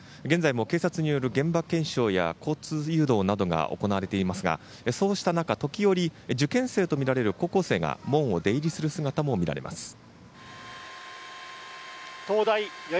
現在も警察による現場検証や交通誘導などが行われていますが、そうした中時折、受験生とみられる高校生が門を出入りする姿も見られます。